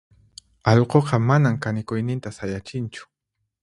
allquqa manan kanikuyninta sayachinchu.